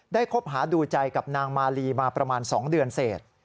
คบหาดูใจกับนางมาลีมาประมาณ๒เดือนเสร็จ